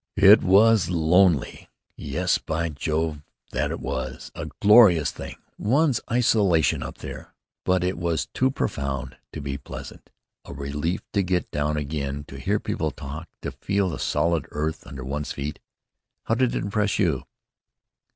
"It was lonely! Yes, by Jove! that was it. A glorious thing, one's isolation up there; but it was too profound to be pleasant. A relief to get down again, to hear people talk, to feel the solid earth under one's feet. How did it impress you?"